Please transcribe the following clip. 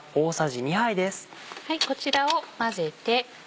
こちらを混ぜて。